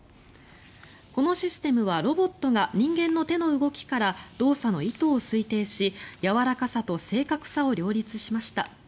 このシステムはロボットが人間の手の動きから動作の意図を推定しやわらかさと正確さを両立しました。